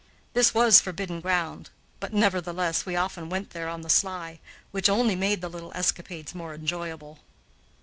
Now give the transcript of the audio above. This was forbidden ground; but, nevertheless, we often went there on the sly, which only made the little escapades more enjoyable.